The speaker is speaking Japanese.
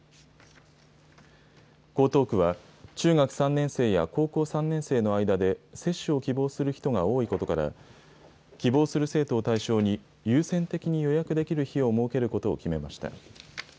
江東区は、中学３年生や高校３年生の間で、接種を希望する人が多いことから、希望する生徒を対象に、優先的に予約できる日を設けることを決めました。